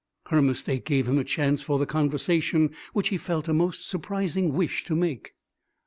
Her mistake gave him a chance for the conversation which he felt a most surprising wish to make.